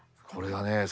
これがね